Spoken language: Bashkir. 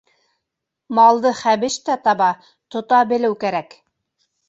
Малды хәбеш тә таба, тота белеү кәрәк.